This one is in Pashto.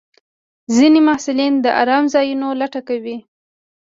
ځینې محصلین د ارام ځایونو لټه کوي.